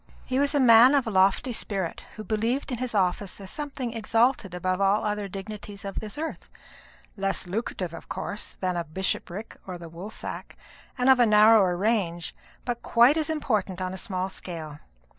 He was a man of a lofty spirit, who believed in his office as something exalted above all other dignities of this earth less lucrative, of course, than a bishopric or the woolsack, and of a narrower range, but quite as important on a small scale.